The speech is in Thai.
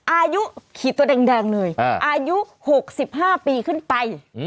อายุขี่ตัวแดงเลยอายุ๖๕ปีขึ้นไป